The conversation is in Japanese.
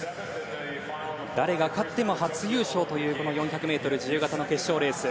誰が勝っても初優勝という４００ｍ自由形の決勝レース。